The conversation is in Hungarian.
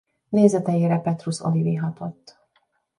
Nézeteire Petrus Olivi hatott.